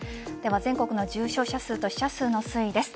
全国の重症者数と死者数の推移です。